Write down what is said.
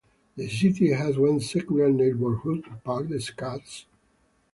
The city has one secular neighborhood, Pardes Katz.